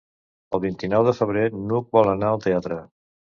El vint-i-nou de febrer n'Hug vol anar al teatre.